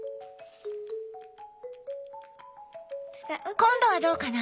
今度はどうかな？